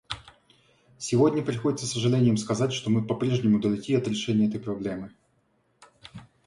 Сегодня приходится с сожалением сказать, что мы по-прежнему далеки от решения этой проблемы.